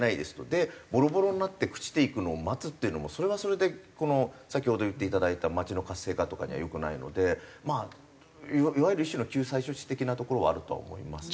でボロボロになって朽ちていくのを待つっていうのもそれはそれで先ほど言っていただいた街の活性化とかには良くないのでまあいわゆる一種の救済措置的なところはあるとは思います。